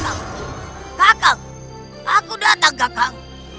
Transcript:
kakak kakak aku datang kakak